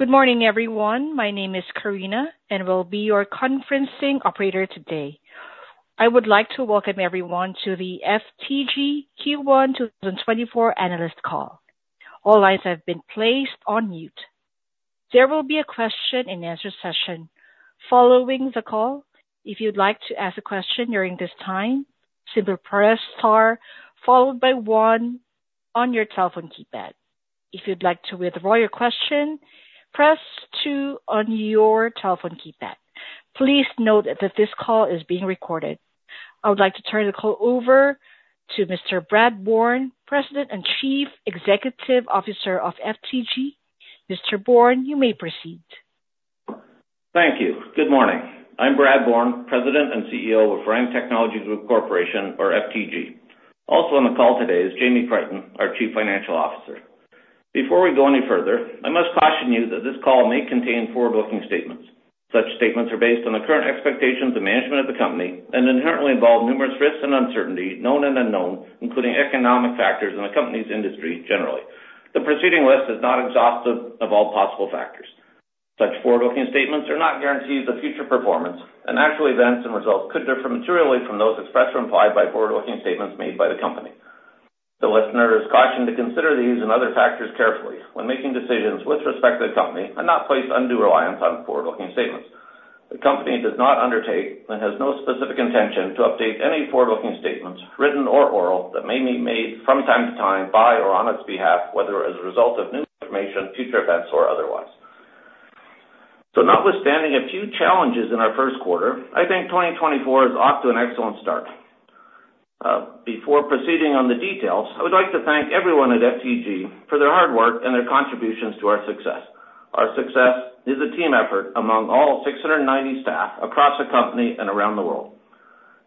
Good morning, everyone. My name is Karina, and I will be your conferencing operator today. I would like to welcome everyone to the FTG Q1 2024 analyst call. All lines have been placed on mute. There will be a question-and-answer session following the call. If you'd like to ask a question during this time, simply press star, followed by one on your telephone keypad. If you'd like to withdraw your question, press two on your telephone keypad. Please note that this call is being recorded. I would like to turn the call over to Mr. Brad Bourne, President and Chief Executive Officer of FTG. Mr. Bourne, you may proceed. Thank you. Good morning. I'm Brad Bourne, President and CEO of Firan Technology Group Corporation, or FTG. Also on the call today is Jamie Crichton, our Chief Financial Officer. Before we go any further, I must caution you that this call may contain forward-looking statements. Such statements are based on the current expectations of management of the company and inherently involve numerous risks and uncertainty, known and unknown, including economic factors in the company's industry generally. The preceding list is not exhaustive of all possible factors. Such forward-looking statements are not guarantees of future performance, and actual events and results could differ materially from those expressed or implied by forward-looking statements made by the company. The listener is cautioned to consider these and other factors carefully when making decisions with respect to the company and not place undue reliance on forward-looking statements. The company does not undertake and has no specific intention to update any forward-looking statements, written or oral, that may be made from time to time, by or on its behalf, whether as a result of new information, future events, or otherwise. So notwithstanding a few challenges in our first quarter, I think 2024 is off to an excellent start. Before proceeding on the details, I would like to thank everyone at FTG for their hard work and their contributions to our success. Our success is a team effort among all 690 staff across the company and around the world.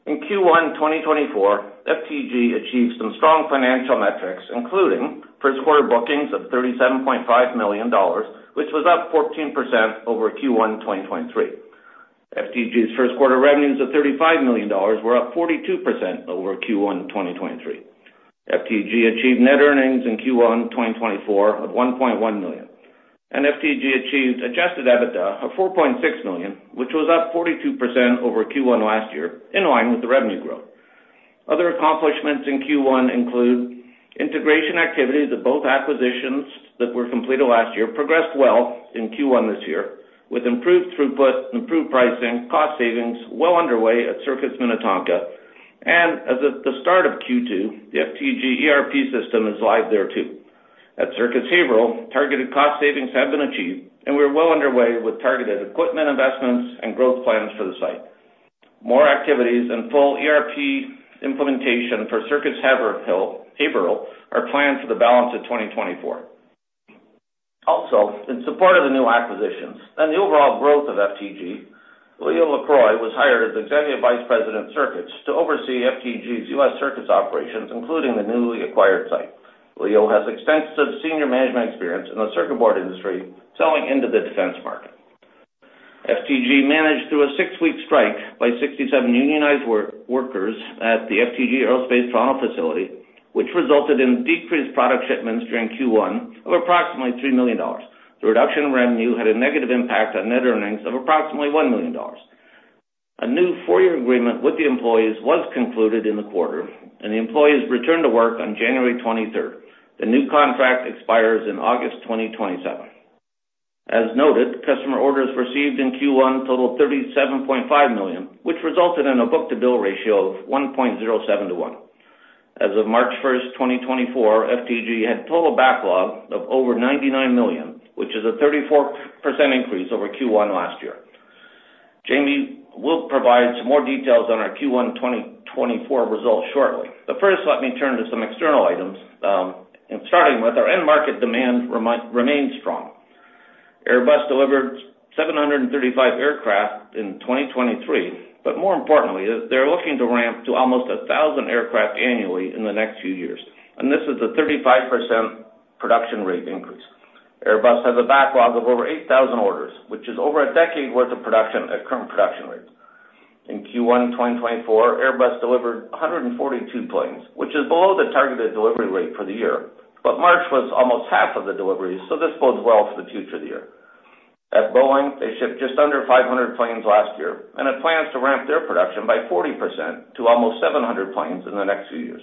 In Q1, 2024, FTG achieved some strong financial metrics, including first quarter bookings of 37.5 million dollars, which was up 14% over Q1, 2023. FTG's first quarter revenues of 35 million dollars were up 42% over Q1, 2023. FTG achieved net earnings in Q1 2024 of 1.1 million, and FTG achieved adjusted EBITDA of 4.6 million, which was up 42% over Q1 last year, in line with the revenue growth. Other accomplishments in Q1 include integration activities of both acquisitions that were completed last year, progressed well in Q1 this year, with improved throughput, improved pricing, cost savings well underway at Circuits Minnetonka, and as of the start of Q2, the FTG ERP system is live there, too. At Circuits Haverhill, targeted cost savings have been achieved, and we're well underway with targeted equipment investments and growth plans for the site. More activities and full ERP implementation for Circuits Haverhill, Haverhill, are planned for the balance of 2024. Also, in support of the new acquisitions and the overall growth of FTG, Leo Lacroix was hired as Executive Vice President of Circuits to oversee FTG's U.S. Circuits operations, including the newly acquired site. Leo has extensive senior management experience in the circuit board industry, selling into the defense market. FTG managed through a 6-week strike by 67 unionized workers at the FTG Aerospace Toronto facility, which resulted in decreased product shipments during Q1 of approximately 3 million dollars. The reduction in revenue had a negative impact on net earnings of approximately 1 million dollars. A new four-year agreement with the employees was concluded in the quarter, and the employees returned to work on January 23. The new contract expires in August 2027. As noted, customer orders received in Q1 totaled 37.5 million, which resulted in a book-to-bill ratio of 1.07 to 1. As of March 1, 2024, FTG had total backlog of over 99 million, which is a 34% increase over Q1 last year. Jamie will provide some more details on our Q1 2024 results shortly. But first, let me turn to some external items, and starting with our end market demand remains strong. Airbus delivered 735 aircraft in 2023, but more importantly, they're looking to ramp to almost 1,000 aircraft annually in the next few years, and this is a 35% production rate increase. Airbus has a backlog of over 8,000 orders, which is over a decade worth of production at current production rates. In Q1 2024, Airbus delivered 142 planes, which is below the targeted delivery rate for the year, but March was almost half of the deliveries, so this bodes well for the future of the year. At Boeing, they shipped just under 500 planes last year and have plans to ramp their production by 40% to almost 700 planes in the next few years.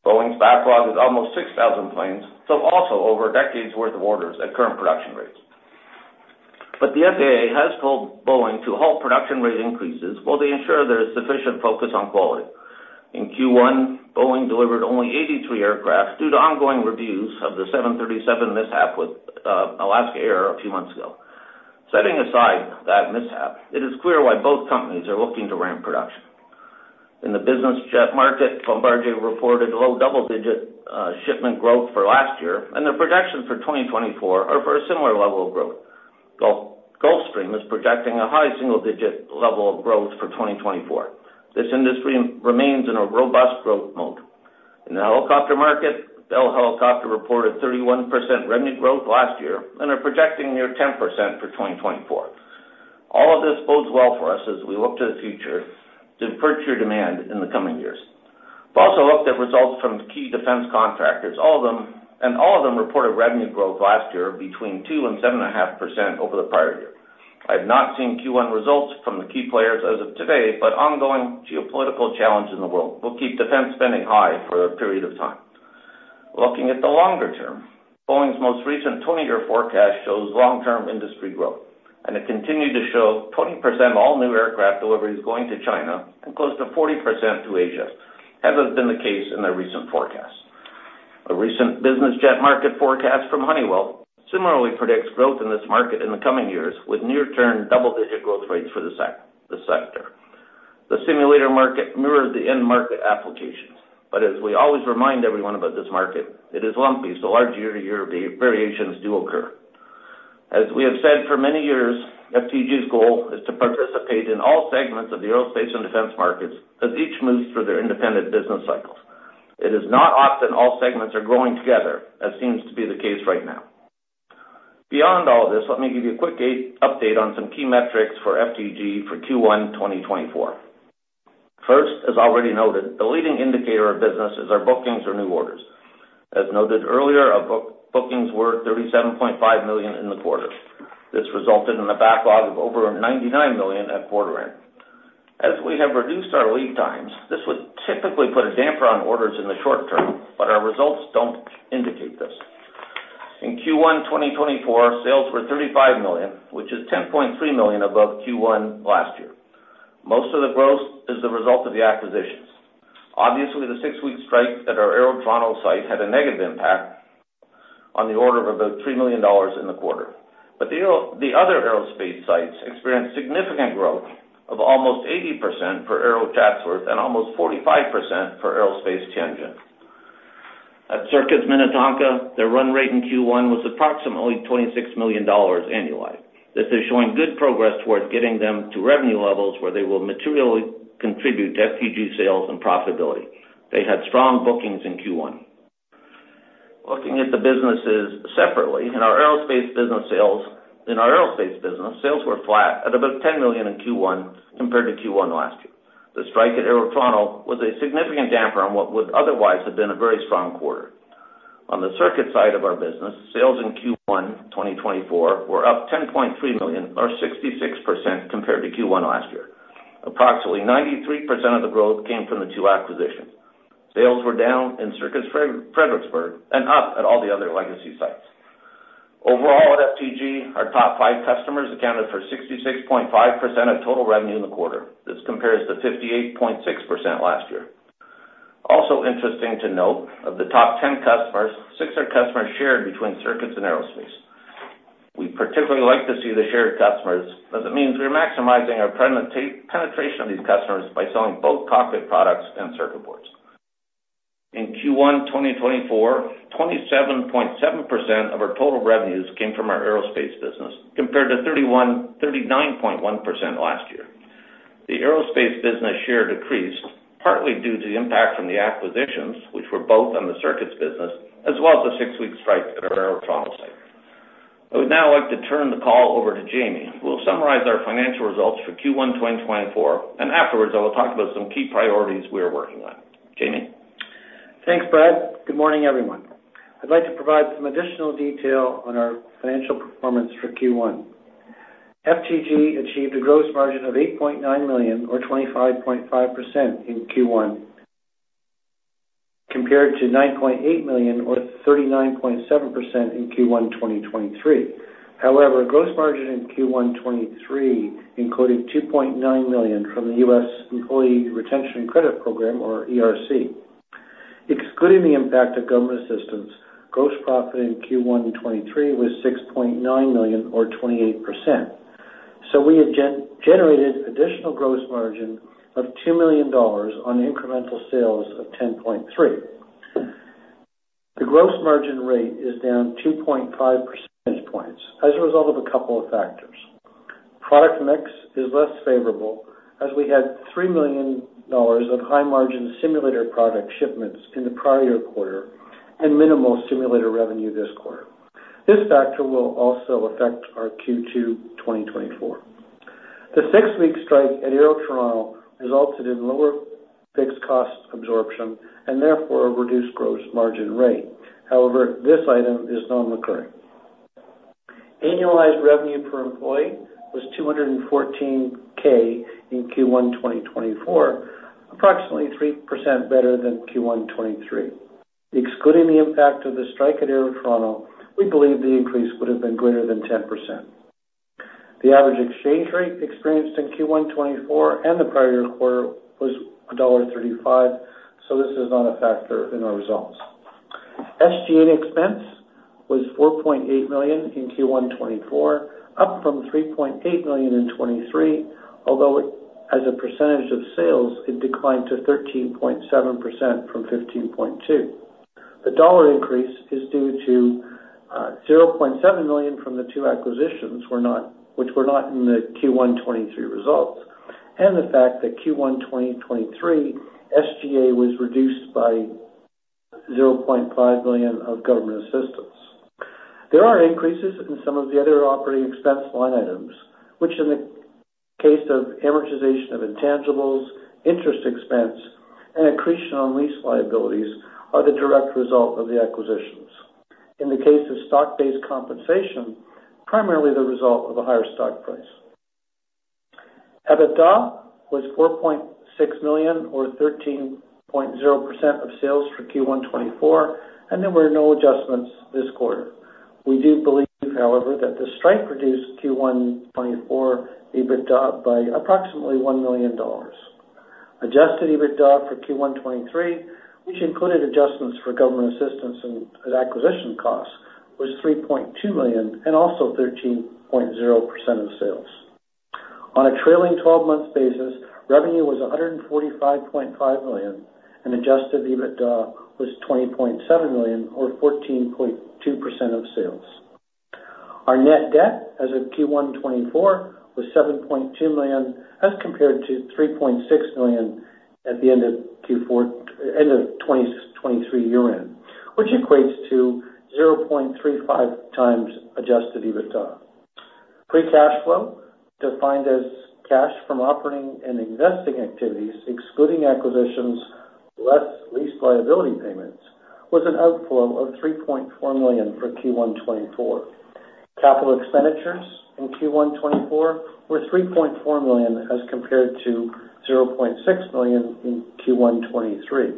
Boeing's backlog is almost 6,000 planes, so also over a decade's worth of orders at current production rates. But the FAA has told Boeing to halt production rate increases while they ensure there is sufficient focus on quality. In Q1, Boeing delivered only 83 aircraft due to ongoing reviews of the 737 mishap with Alaska Airlines a few months ago. Setting aside that mishap, it is clear why both companies are looking to ramp production. In the business jet market, Bombardier reported low double-digit shipment growth for last year, and their projections for 2024 are for a similar level of growth. Gulfstream is projecting a high single-digit level of growth for 2024. This industry remains in a robust growth mode. In the helicopter market, Bell Helicopter reported 31% revenue growth last year and are projecting near 10% for 2024.... All of this bodes well for us as we look to the future to purchase your demand in the coming years. We've also looked at results from the key defense contractors, all of them, and all of them reported revenue growth last year between 2% and 7.5% over the prior year. I've not seen Q1 results from the key players as of today, but ongoing geopolitical challenges in the world will keep defense spending high for a period of time. Looking at the longer term, Boeing's most recent 20-year forecast shows long-term industry growth, and it continued to show 20% all-new aircraft deliveries going to China and close to 40% to Asia, as has been the case in their recent forecast. A recent business jet market forecast from Honeywell similarly predicts growth in this market in the coming years, with near-term double-digit growth rates for the sector. The simulator market mirrors the end-market applications. But as we always remind everyone about this market, it is lumpy, so large year-to-year variations do occur. As we have said for many years, FTG's goal is to participate in all segments of the Aerospace and defense markets as each moves through their independent business cycles. It is not often all segments are growing together, as seems to be the case right now. Beyond all this, let me give you a quick update on some key metrics for FTG for Q1 2024. First, as already noted, the leading indicator of business is our bookings or new orders. As noted earlier, our bookings were 37.5 million in the quarter. This resulted in a backlog of over 99 million at quarter end. As we have reduced our lead times, this would typically put a damper on orders in the short-term, but our results don't indicate this. In Q1 2024, sales were 35 million, which is 10.3 million above Q1 last year. Most of the growth is the result of the acquisitions. Obviously, the 6-week strike at our Aerospace Toronto site had a negative impact on the order of about 3 million dollars in the quarter. But the other Aerospace sites experienced significant growth of almost 80% for Aerospace Chatsworth and almost 45% for Aerospace Tianjin. At Circuits Minnetonka, their run rate in Q1 was approximately 26 million dollars annualized. This is showing good progress towards getting them to revenue levels where they will materially contribute to FTG sales and profitability. They had strong bookings in Q1. Looking at the businesses separately, in our Aerospace business, sales—in our Aerospace business, sales were flat at about 10 million in Q1 compared to Q1 last year. The strike at Aerospace Toronto was a significant damper on what would otherwise have been a very strong quarter. On the circuit side of our business, sales in Q1 2024 were up 10.3 million, or 66%, compared to Q1 last year. Approximately 93% of the growth came from the two acquisitions. Sales were down in Circuits Fredericksburg and up at all the other legacy sites. Overall, at FTG, our top five customers accounted for 66.5% of total revenue in the quarter. This compares to 58.6% last year. Also interesting to note, of the top ten customers, six are customers shared between Circuits and Aerospace. We particularly like to see the shared customers, as it means we're maximizing our penetration of these customers by selling both cockpit products and circuit boards. In Q1 2024, 27.7% of our total revenues came from our Aerospace business, compared to 39.1% last year. The Aerospace business share decreased, partly due to the impact from the acquisitions, which were both on the circuits business, as well as the 6-week strike at our Aerospace Toronto site. I would now like to turn the call over to Jamie, who will summarize our financial results for Q1 2024, and afterwards, I will talk about some key priorities we are working on. Jamie? Thanks, Brad. Good morning, everyone. I'd like to provide some additional detail on our financial performance for Q1. FTG achieved a gross margin of 8.9 million, or 25.5%, in Q1, compared to 9.8 million, or 39.7%, in Q1 2023. However, gross margin in Q1 2023, including $2.9 million from the U.S. Employee Retention Credit program, or ERC. Excluding the impact of government assistance, gross profit in Q1 2023 was 6.9 million, or 28%. We had generated additional gross margin of $2 million on incremental sales of 10.3. The gross margin rate is down 2.5 percentage points as a result of a couple of factors. Product mix is less favorable, as we had 3 million dollars of high-margin simulator product shipments in the prior quarter and minimal simulator revenue this quarter. This factor will also affect our Q2 2024. The six-week strike at Aero Toronto resulted in lower fixed cost absorption and therefore a reduced gross margin rate. However, this item is non-recurring. Annualized revenue per employee was 214,000 in Q1 2024, approximately 3% better than Q1 2023. Excluding the impact of the strike at Aero Toronto, we believe the increase would have been greater than 10%. The average exchange rate experienced in Q1 2024 and the prior quarter was 1.35, so this is not a factor in our results. SG&A expense was 4.8 million in Q1 2024, up from 3.8 million in 2023, although it, as a percentage of sales, it declined to 13.7% from 15.2%. The dollar increase is due to 0.7 million from the two acquisitions which were not in the Q1 2023 results, and the fact that Q1 2023 SG&A was reduced by 0.5 million of government assistance. There are increases in some of the other operating expense line items, which in the case of amortization of intangibles, interest expense, and accretion on lease liabilities, are the direct result of the acquisitions. In the case of stock-based compensation, primarily the result of a higher stock price. Adjusted EBITDA was 4.6 million, or 13.0% of sales for Q1 2024, and there were no adjustments this quarter. We do believe, however, that the strike reduced Q1 2024 EBITDA by approximately 1 million dollars. Adjusted EBITDA for Q1 2023, which included adjustments for government assistance and acquisition costs, was 3.2 million and also 13.0% of sales. On a trailing twelve-month basis, revenue was 145.5 million, and adjusted EBITDA was 20.7 million, or 14.2% of sales. Our net debt as of Q1 2024 was 7.2 million, as compared to 3.6 million at the end of Q4 2023 year-end, which equates to 0.35 times adjusted EBITDA. Free cash flow, defined as cash from operating and investing activities, excluding acquisitions, less lease liability payments, was an outflow of 3.4 million for Q1 2024. Capital expenditures in Q1 2024 were 3.4 million, as compared to 0.6 million in Q1 2023.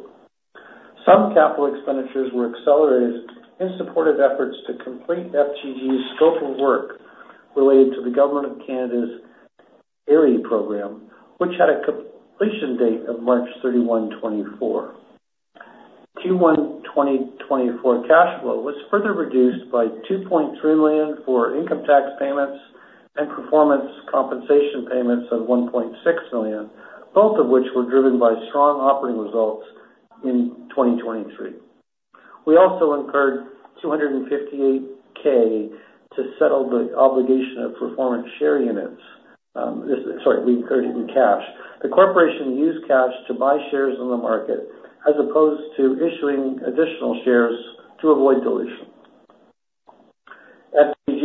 Some capital expenditures were accelerated in support of efforts to complete FTG's scope of work related to the government of Canada's ARR program, which had a completion date of March 31, 2024. Q1 2024 cash flow was further reduced by 2.3 million for income tax payments and performance compensation payments of 1.6 million, both of which were driven by strong operating results in 2023. We also incurred $258K to settle the obligation of performance share units. We incurred it in cash. The corporation used cash to buy shares on the market, as opposed to issuing additional shares to avoid dilution.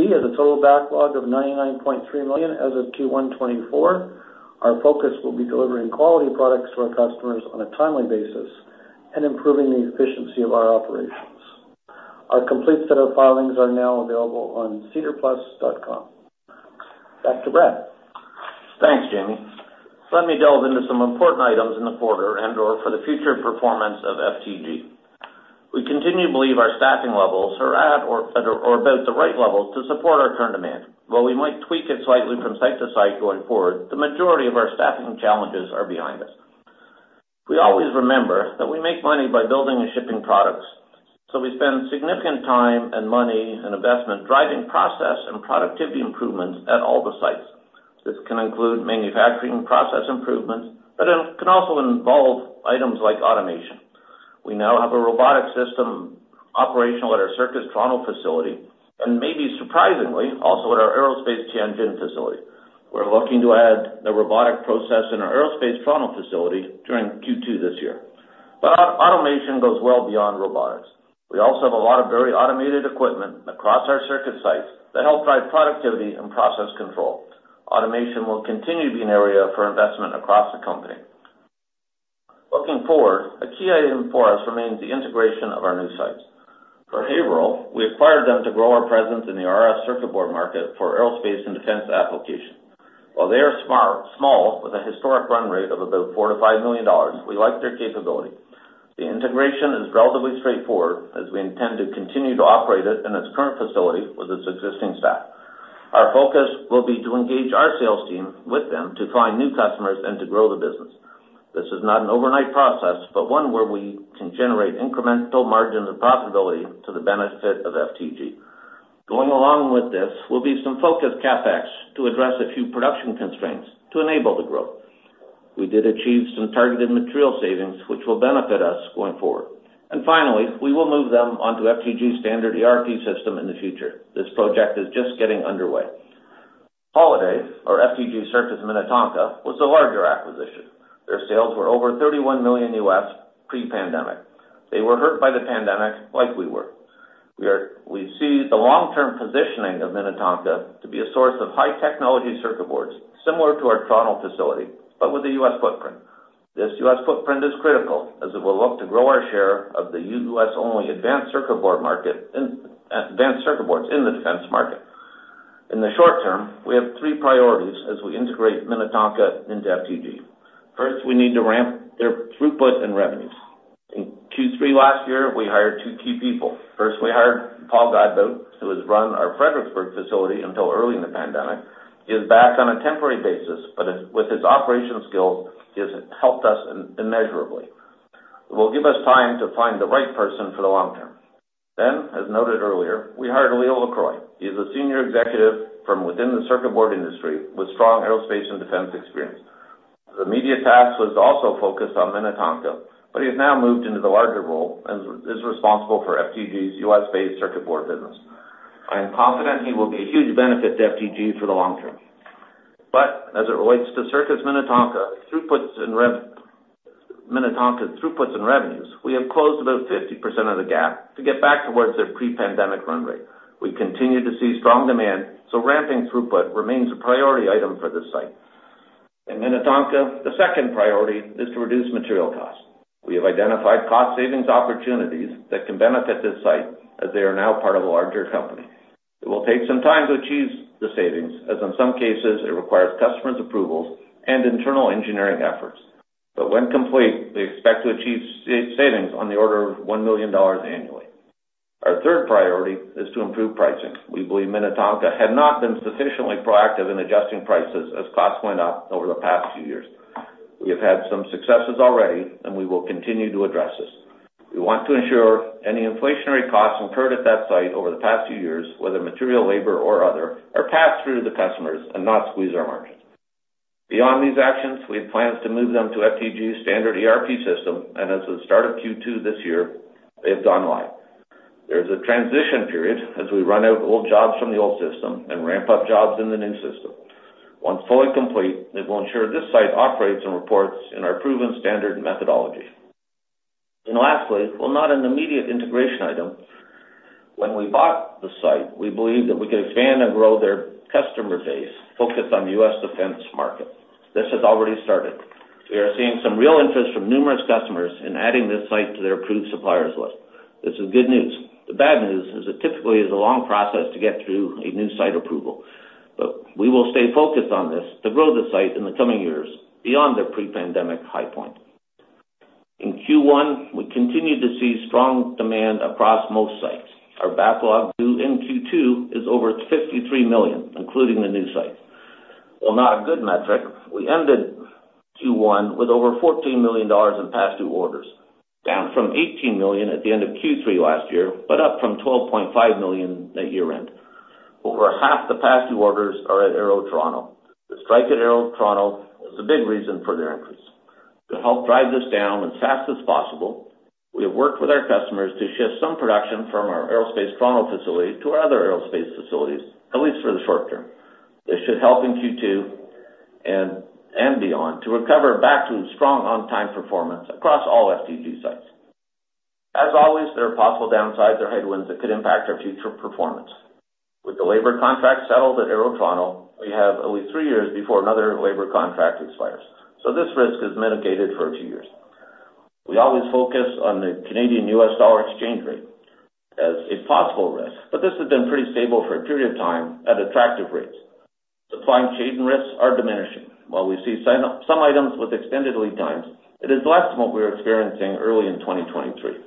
FTG has a total backlog of 99.3 million as of Q1 2024. Our focus will be delivering quality products to our customers on a timely basis and improving the efficiency of our operations. Our complete set of filings are now available on SEDARplus.com. Back to Brad. Thanks, Jamie. Let me delve into some important items in the quarter and/or for the future performance of FTG. We continue to believe our staffing levels are at or about the right levels to support our current demand. While we might tweak it slightly from site to site going forward, the majority of our staffing challenges are behind us. We always remember that we make money by building and shipping products, so we spend significant time and money and investment driving process and productivity improvements at all the sites. This can include manufacturing process improvements, but it can also involve items like automation. We now have a robotic system operational at our Circuits Toronto facility, and maybe surprisingly, also at our Aerospace Tianjin facility. We're looking to add the robotic process in our Aerospace Toronto facility during Q2 this year. But our automation goes well beyond robotics. We also have a lot of very automated equipment across our circuit sites that help drive productivity and process control. Automation will continue to be an area for investment across the company. Looking forward, a key item for us remains the integration of our new sites. For Haverhill, we acquired them to grow our presence in the RF circuit board market for Aerospace and defense applications. While they are small, with a historic run rate of about $4 million-$5 million, we like their capability. The integration is relatively straightforward, as we intend to continue to operate it in its current facility with its existing staff. Our focus will be to engage our sales team with them to find new customers and to grow the business. This is not an overnight process, but one where we can generate incremental margins and profitability to the benefit of FTG. Going along with this will be some focused CapEx to address a few production constraints to enable the growth. We did achieve some targeted material savings, which will benefit us going forward. And finally, we will move them onto FTG's standard ERP system in the future. This project is just getting underway. Holaday, or FTG Circuits Minnetonka, was a larger acquisition. Their sales were over $31 million, pre-pandemic. They were hurt by the pandemic, like we were. We see the long-term positioning of Minnetonka to be a source of high-technology circuit boards, similar to our Toronto facility, but with a U.S. footprint. This U.S. footprint is critical, as it will look to grow our share of the U.S.-only advanced circuit board market in advanced circuit boards in the defense market. In the short-term, we have three priorities as we integrate Minnetonka into FTG. First, we need to ramp their throughput and revenues. In Q3 last year, we hired two key people. First, we hired Paul Godbout, who has run our Fredericksburg facility until early in the pandemic. He is back on a temporary basis, but with his operational skills, he has helped us immeasurably. It will give us time to find the right person for the long-term. Then, as noted earlier, we hired Leo Lacroix. He is a senior executive from within the circuit board industry with strong Aerospace and defense experience. The immediate task was also focused on Minnetonka, but he has now moved into the larger role and is responsible for FTG's US-based circuit board business. I am confident he will be a huge benefit to FTG for the long-term.... But as it relates to Circuits Minnetonka, throughputs and rev, Minnetonka's throughputs and revenues, we have closed about 50% of the gap to get back towards their pre-pandemic run rate. We continue to see strong demand, so ramping throughput remains a priority item for this site. In Minnetonka, the second priority is to reduce material costs. We have identified cost savings opportunities that can benefit this site as they are now part of a larger company. It will take some time to achieve the savings, as in some cases it requires customers' approvals and internal engineering efforts. But when complete, we expect to achieve savings on the order of 1 million dollars annually. Our third priority is to improve pricing. We believe Minnetonka had not been sufficiently proactive in adjusting prices as costs went up over the past few years. We have had some successes already, and we will continue to address this. We want to ensure any inflationary costs incurred at that site over the past few years, whether material, labor, or other, are passed through to the customers and not squeeze our margins. Beyond these actions, we have plans to move them to FTG's standard ERP system, and as of the start of Q2 this year, it's gone live. There's a transition period as we run out old jobs from the old system and ramp up jobs in the new system. Once fully complete, it will ensure this site operates and reports in our proven standard methodology. Lastly, while not an immediate integration item, when we bought the site, we believed that we could expand and grow their customer base, focused on U.S. defense market. This has already started. We are seeing some real interest from numerous customers in adding this site to their approved suppliers list. This is good news. The bad news is it typically is a long process to get through a new site approval, but we will stay focused on this to grow the site in the coming years beyond their pre-pandemic high point. In Q1, we continued to see strong demand across most sites. Our backlog due in Q2 is over 53 million, including the new site. While not a good metric, we ended Q1 with over 14 million dollars in past due orders, down from 18 million at the end of Q3 last year, but up from 12.5 million at year-end. Over half the past due orders are at Aerospace Toronto. The strike at Aerospace Toronto is a big reason for their increase. To help drive this down as fast as possible, we have worked with our customers to shift some production from our Aerospace Toronto facility to our other Aerospace facilities, at least for the short-term. This should help in Q2 and beyond to recover back to strong on-time performance across all FTG sites. As always, there are possible downsides or headwinds that could impact our future performance. With the labor contract settled at Aero Toronto, we have at least three years before another labor contract expires, so this risk is mitigated for a few years. We always focus on the Canadian-U.S. dollar exchange rate as a possible risk, but this has been pretty stable for a period of time at attractive rates. Supply chain risks are diminishing. While we see some items with extended lead times, it is less than what we were experiencing early in 2023.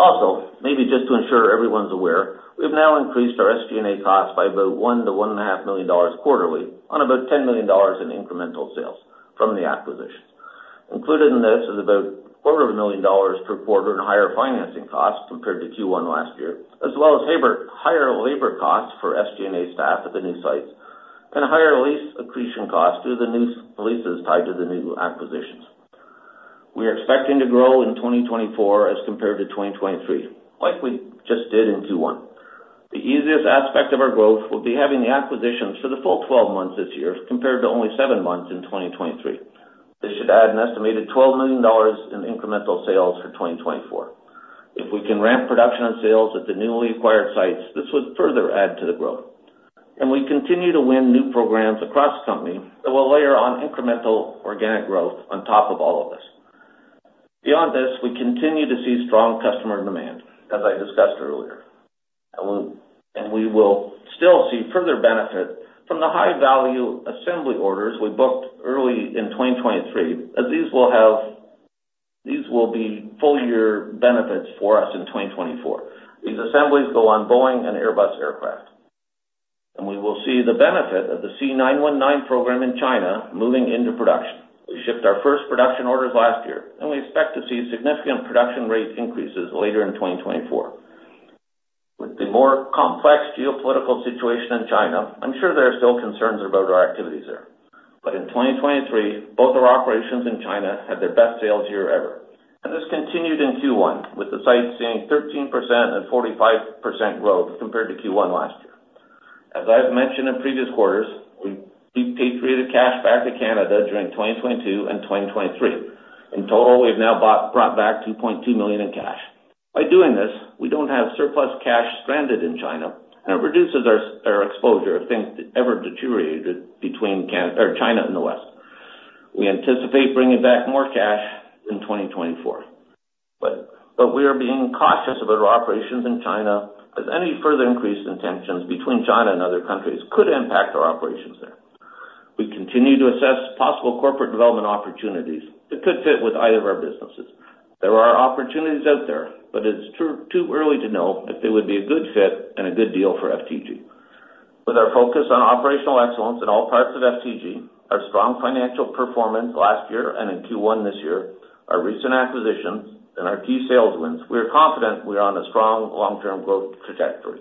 Also, maybe just to ensure everyone's aware, we've now increased our SG&A costs by about 1 million-1.5 million dollars quarterly on about 10 million dollars in incremental sales from the acquisition. Included in this is about 250,000 dollars per quarter in higher financing costs compared to Q1 last year, as well as higher labor costs for SG&A staff at the new sites, and higher lease accretion costs due to the new leases tied to the new acquisitions. We are expecting to grow in 2024 as compared to 2023, like we just did in Q1. The easiest aspect of our growth will be having the acquisitions for the full 12 months this year, compared to only 7 months in 2023. They should add an estimated 12 million dollars in incremental sales for 2024. If we can ramp production and sales at the newly acquired sites, this would further add to the growth. And we continue to win new programs across the company that will layer on incremental organic growth on top of all of this. Beyond this, we continue to see strong customer demand, as I discussed earlier, and we, and we will still see further benefit from the high-value assembly orders we booked early in 2023, as these will have, these will be full year benefits for us in 2024. These assemblies go on Boeing and Airbus aircraft, and we will see the benefit of the C919 program in China moving into production. We shipped our first production orders last year, and we expect to see significant production rate increases later in 2024. With the more complex geopolitical situation in China, I'm sure there are still concerns about our activities there. But in 2023, both our operations in China had their best sales year ever, and this continued in Q1, with the site seeing 13% and 45% growth compared to Q1 last year. As I've mentioned in previous quarters, we've paid repatriated cash back to Canada during 2022 and 2023. In total, we've now brought back 2.2 million in cash. By doing this, we don't have surplus cash stranded in China, and it reduces our exposure if things ever deteriorated between Canada or China and the West. We anticipate bringing back more cash in 2024. But we are being cautious about our operations in China, as any further increase in tensions between China and other countries could impact our operations there. We continue to assess possible corporate development opportunities that could fit with either of our businesses. There are opportunities out there, but it's too, too early to know if they would be a good fit and a good deal for FTG. With our focus on operational excellence in all parts of FTG, our strong financial performance last year and in Q1 this year, our recent acquisitions, and our key sales wins, we are confident we are on a strong long-term growth trajectory.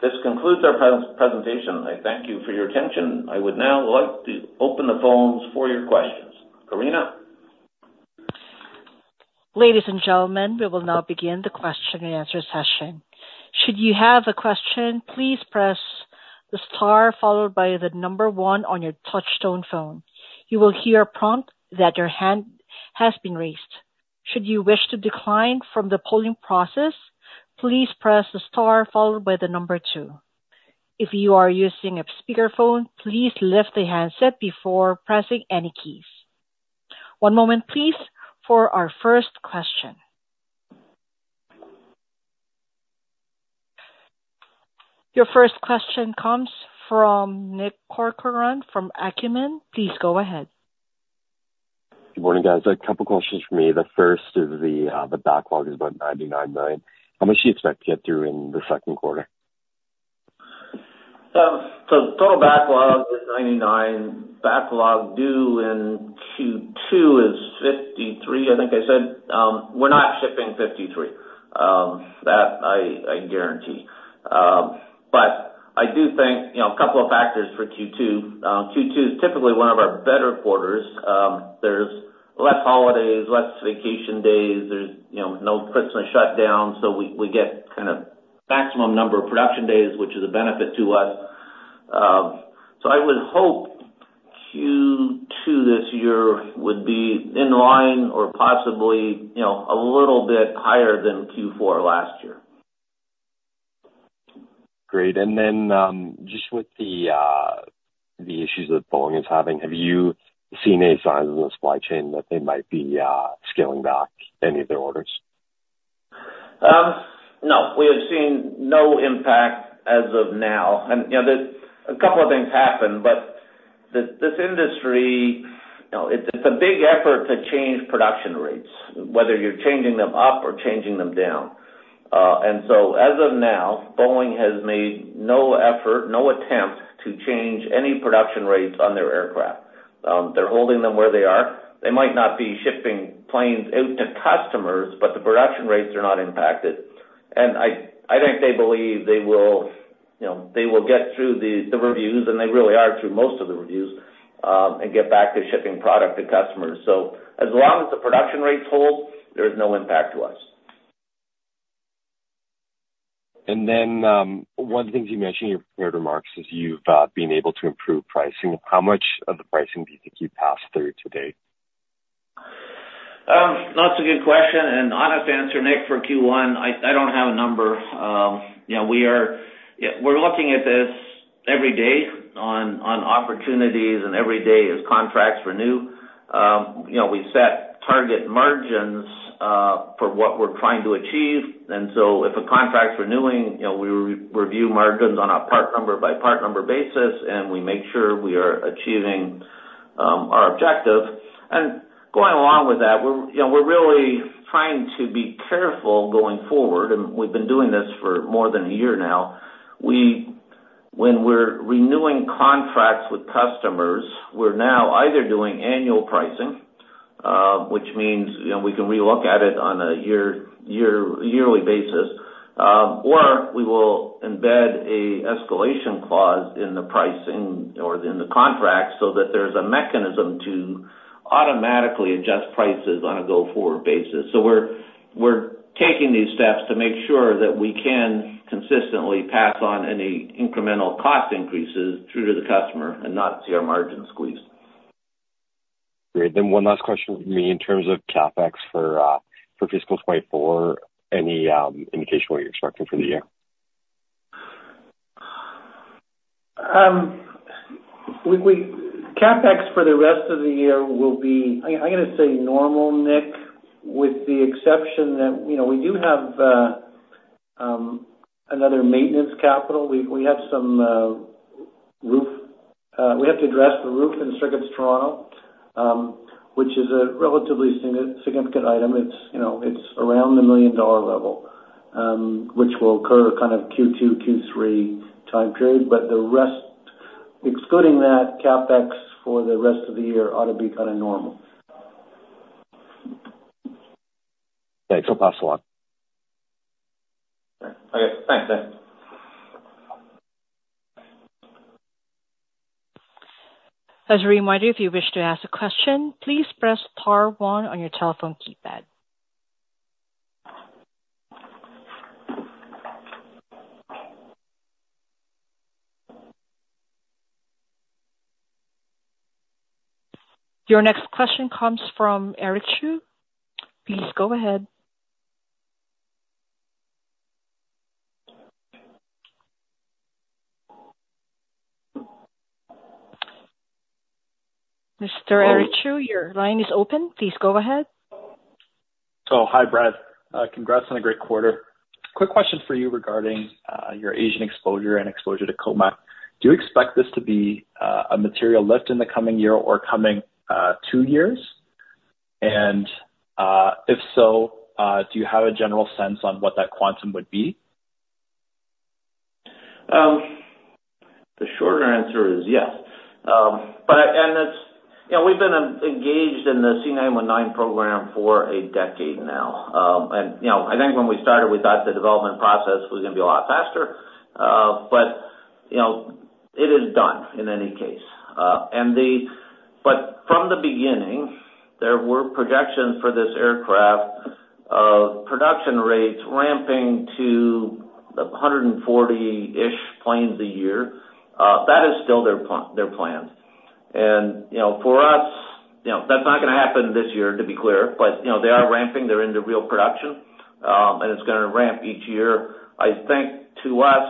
This concludes our presentation. I thank you for your attention. I would now like to open the phones for your questions. Karina?... Ladies and gentlemen, we will now begin the question and answer session. Should you have a question, please press the star followed by the number one on your touchtone phone. You will hear a prompt that your hand has been raised. Should you wish to decline from the polling process, please press the star followed by the number two. If you are using a speakerphone, please lift the handset before pressing any keys. One moment, please, for our first question. Your first question comes from Nick Corcoran from Acumen. Please go ahead. Good morning, guys. A couple questions for me. The first is the backlog is about 99 million. How much do you expect to get through in the second quarter? So total backlog is 99. Backlog due in Q2 is 53, I think I said. We're not shipping 53, that I guarantee. But I do think, you know, a couple of factors for Q2. Q2 is typically one of our better quarters. There's less holidays, less vacation days, there's, you know, no Christmas shutdown, so we, we get kind of maximum number of production days, which is a benefit to us. So I would hope Q2 this year would be in line or possibly, you know, a little bit higher than Q4 last year. Great. And then, just with the issues that Boeing is having, have you seen any signs in the supply chain that they might be scaling back any of their orders? No. We have seen no impact as of now, and, you know, a couple of things happened, but this industry, you know, it's a big effort to change production rates, whether you're changing them up or changing them down. And so as of now, Boeing has made no effort, no attempt to change any production rates on their aircraft. They're holding them where they are. They might not be shipping planes out to customers, but the production rates are not impacted. And I think they believe they will, you know, they will get through the reviews, and they really are through most of the reviews, and get back to shipping product to customers. So as long as the production rates hold, there is no impact to us. Then, one of the things you mentioned in your prepared remarks is you've been able to improve pricing. How much of the pricing do you think you passed through to date? That's a good question, and honest answer, Nick, for Q1, I don't have a number. You know, we are, yeah, we're looking at this every day on opportunities, and every day as contracts renew. You know, we set target margins for what we're trying to achieve. And so if a contract's renewing, you know, we review margins on a part number by part number basis, and we make sure we are achieving our objective. And going along with that, we're, you know, we're really trying to be careful going forward, and we've been doing this for more than a year now. When we're renewing contracts with customers, we're now either doing annual pricing, which means, you know, we can relook at it on a yearly basis, or we will embed a escalation clause in the pricing or in the contract so that there's a mechanism to automatically adjust prices on a go-forward basis. So we're taking these steps to make sure that we can consistently pass on any incremental cost increases through to the customer and not see our margin squeezed. Great. Then one last question from me. In terms of CapEx for fiscal 2024, any indication what you're expecting for the year? CapEx for the rest of the year will be, I'm gonna say normal, Nick, with the exception that, you know, we do have another maintenance capital. We have some roof we have to address the roof in Circuits Toronto, which is a relatively significant item. It's, you know, it's around the 1 million dollar level, which will occur kind of Q2, Q3 time period. But the rest, excluding that CapEx for the rest of the year, ought to be kind of normal. Thanks for the postdoc. Okay. Thanks, Nick. As a reminder, if you wish to ask a question, please press star one on your telephone keypad. Your next question comes from Eric Chu. Please go ahead. Mr. Eric Chu, your line is open. Please go ahead. Oh, hi, Brad. Congrats on a great quarter. Quick question for you regarding your Asian exposure and exposure to COMAC. Do you expect this to be a material lift in the coming year or coming two years? If so, do you have a general sense on what that quantum would be? The shorter answer is yes. But I... And it's, you know, we've been engaged in the C919 program for a decade now. And, you know, I think when we started, we thought the development process was gonna be a lot faster, but, you know... It is done in any case. But from the beginning, there were projections for this aircraft of production rates ramping to 140-ish planes a year. That is still their plan. And, you know, for us, you know, that's not gonna happen this year, to be clear, but, you know, they are ramping, they're into real production, and it's gonna ramp each year. I think to us,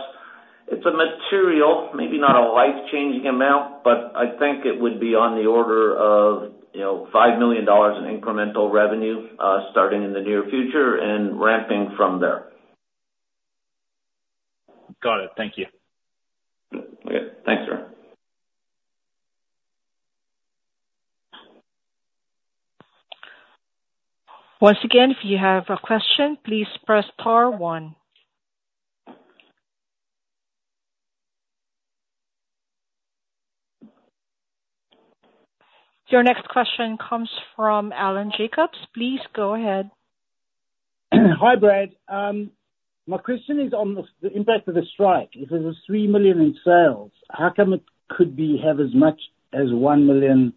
it's a material, maybe not a life-changing amount, but I think it would be on the order of, you know, 5 million dollars in incremental revenue, starting in the near future and ramping from there. Got it. Thank you. Okay. Thanks, Aaron. Once again, if you have a question, please press star one. Your next question comes from Alan Jacobs. Please go ahead. Hi, Brad. My question is on the impact of the strike. If it was 3 million in sales, how come it could be, have as much as 1 million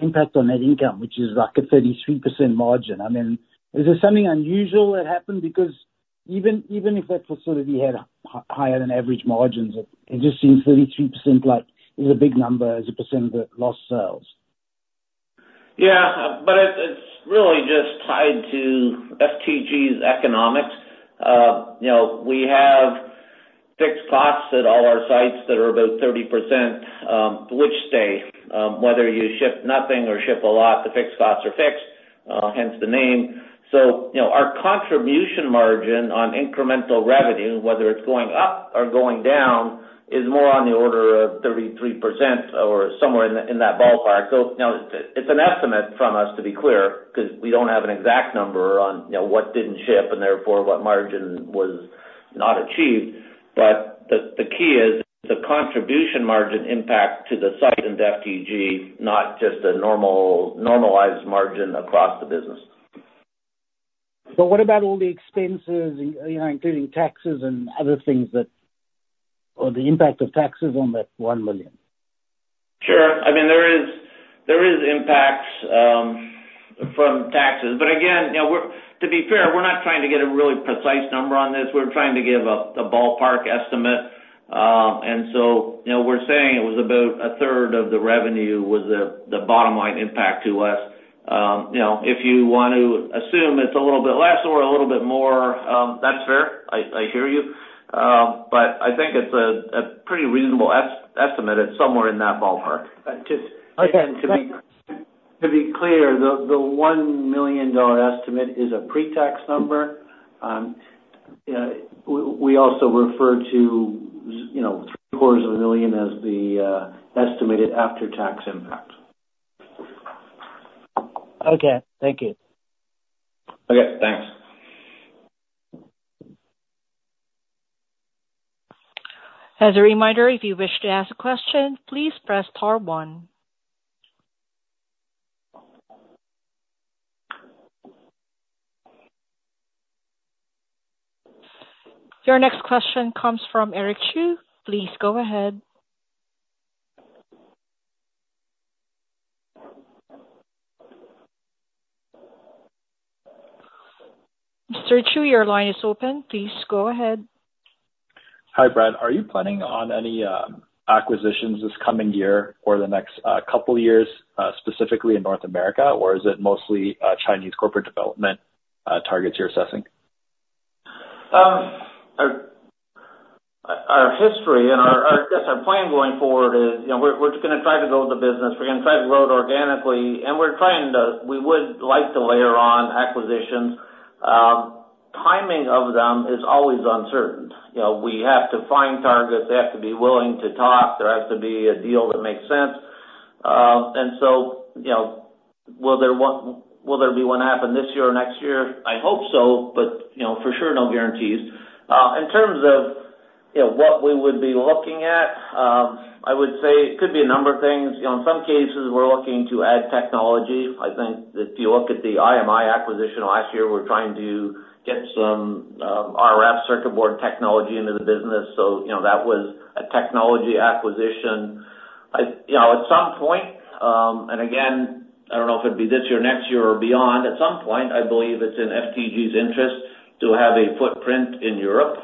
impact on net income, which is like a 33% margin? I mean, is there something unusual that happened? Because even if that facility had higher than average margins, it just seems 33% like is a big number as a percent of the lost sales. Yeah, but it, it's really just tied to FTG's economics. You know, we have fixed costs at all our sites that are about 30%, which stay, whether you ship nothing or ship a lot, the fixed costs are fixed, hence the name. So, you know, our contribution margin on incremental revenue, whether it's going up or going down, is more on the order of 33% or somewhere in the, in that ballpark. So, you know, it, it's an estimate from us, to be clear, 'cause we don't have an exact number on, you know, what didn't ship, and therefore, what margin was not achieved. But the, the key is the contribution margin impact to the site and FTG, not just a normal- normalized margin across the business. But what about all the expenses, you know, including taxes and other things that... Or the impact of taxes on that 1 million? Sure. I mean, there is, there is impacts from taxes, but again, you know, we're to be fair, we're not trying to get a really precise number on this. We're trying to give a ballpark estimate. And so, you know, we're saying it was about a third of the revenue was the bottom line impact to us. You know, if you want to assume it's a little bit less or a little bit more, that's fair. I hear you. But I think it's a pretty reasonable estimate. It's somewhere in that ballpark. Uh, just- Okay. And to be clear, the 1 million dollar estimate is a pre-tax number. We also referred to, you know, 750,000 as the estimated after-tax impact. Okay, thank you. Okay, thanks. As a reminder, if you wish to ask a question, please press star one. Your next question comes from Eric Chu. Please go ahead. Mr. Chu, your line is open. Please go ahead. Hi, Brad. Are you planning on any acquisitions this coming year or the next couple years specifically in North America? Or is it mostly Chinese corporate development targets you're assessing? Our history and our plan going forward is, you know, we're just gonna try to build the business. We're gonna try to grow it organically, and we're trying to... We would like to layer on acquisitions. Timing of them is always uncertain. You know, we have to find targets, they have to be willing to talk, there has to be a deal that makes sense. And so, you know, will there be one happen this year or next year? I hope so, but, you know, for sure, no guarantees. In terms of, you know, what we would be looking at, I would say it could be a number of things. You know, in some cases, we're looking to add technology. I think if you look at the IMI acquisition last year, we're trying to get some RF circuit board technology into the business. So, you know, that was a technology acquisition. You know, at some point, and again, I don't know if it'd be this year, next year or beyond, at some point, I believe it's in FTG's interest to have a footprint in Europe.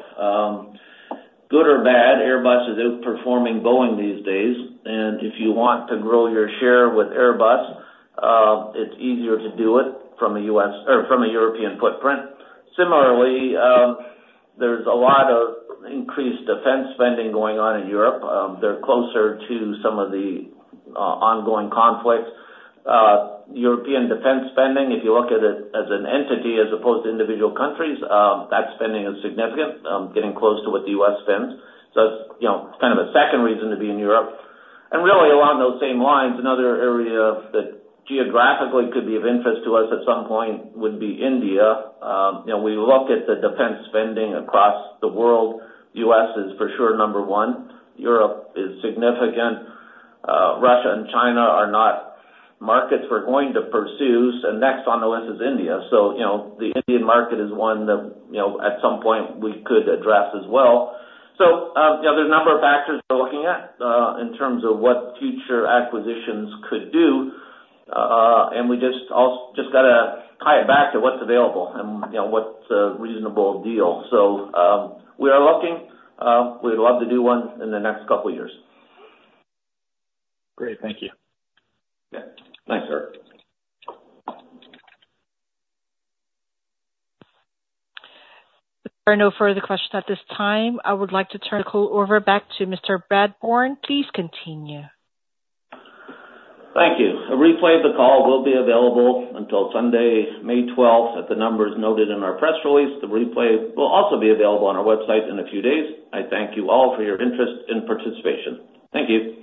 Good or bad, Airbus is outperforming Boeing these days, and if you want to grow your share with Airbus, it's easier to do it from a US, or from a European footprint. Similarly, there's a lot of increased defense spending going on in Europe. They're closer to some of the ongoing conflicts. European defense spending, if you look at it as an entity as opposed to individual countries, that spending is significant, getting close to what the U.S. spends. So, you know, kind of a second reason to be in Europe. And really, along those same lines, another area that geographically could be of interest to us at some point would be India. You know, we look at the defense spending across the world, U.S. is for sure number one. Europe is significant. Russia and China are not markets we're going to pursue, so next on the list is India. So, you know, the Indian market is one that, you know, at some point, we could address as well. So, yeah, there are a number of factors we're looking at, in terms of what future acquisitions could do. And we just gotta tie it back to what's available and, you know, what's a reasonable deal. So, we are looking. We'd love to do one in the next couple of years. Great. Thank you. Yeah. Thanks, Eric. There are no further questions at this time. I would like to turn the call over back to Mr. Brad Bourne. Please continue. Thank you. A replay of the call will be available until Sunday, May twelfth, at the numbers noted in our press release. The replay will also be available on our website in a few days. I thank you all for your interest and participation. Thank you.